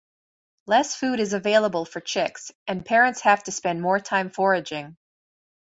Less food is available for chicks, and parents have to spend more time foraging.